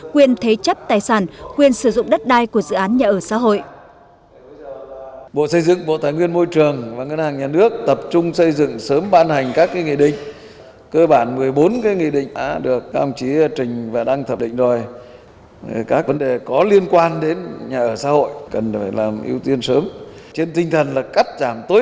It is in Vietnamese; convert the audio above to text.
quyền thế chấp tài sản quyền sử dụng đất đai của dự án nhà ở xã hội